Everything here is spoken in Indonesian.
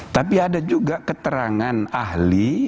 tapi ada juga keterangan ahli